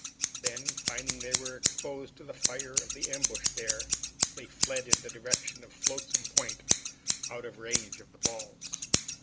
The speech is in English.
Then, finding they were exposed to the fire of the ambush there, they fled in the direction of Flotsam Point, out of range of the balls.